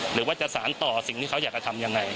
หรือว่าจะสารต่อสิ่งที่เขาอยากจะทำยังไง